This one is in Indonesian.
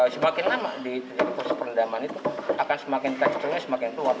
semakin lama di proses perendaman itu akan semakin teksturnya semakin keluar